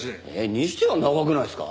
にしては長くないですか？